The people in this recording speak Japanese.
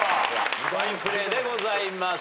ファインプレーでございます。